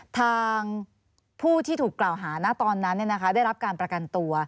ทางผู้ที่ถูกกล่าวหาตอนนั้นได้รับการประกันตัว